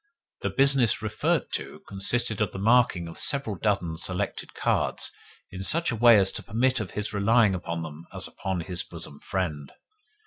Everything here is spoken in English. The business referred to consisted of the marking of several dozen selected cards in such a way as to permit of his relying upon them as upon his bosom friend.